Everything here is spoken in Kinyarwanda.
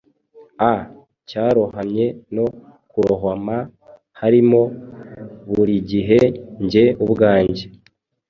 a cyarohamye no kurohama, harimo, burigihe, njye ubwanjye.